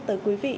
tới quý vị